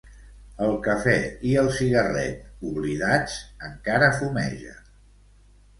El cafè i el cigarret, oblidats, encara fumegen.